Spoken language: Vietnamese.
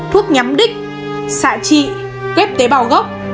thuốc nhắm đích xạ trị ghép tế bào gốc